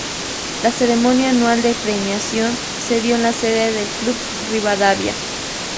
La ceremonia anual de premiación se dio en la sede del Club Rivadavia.